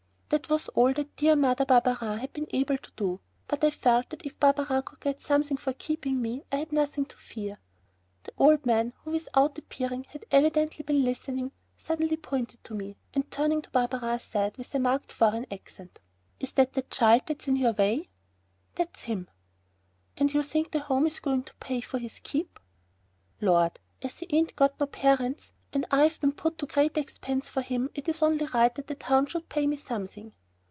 That was all that dear Mother Barberin had been able to do, but I felt that if Barberin could get something for keeping me I had nothing to fear. The old man, who without appearing, had evidently been listening, suddenly pointed to me, and turning to Barberin said with a marked foreign accent: "Is that the child that's in your way?" "That's him." "And you think the Home is going to pay you for his keep?" "Lord! as he ain't got no parents and I've been put to great expense for him, it is only right that the town should pay me something."